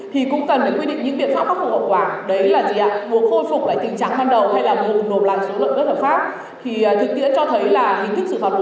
thì chúng ta có thể xử lý một cách thích đáng